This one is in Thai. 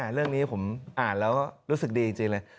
เรื่องนี้ผมอ่านแล้วรู้สึกดีจริงเลย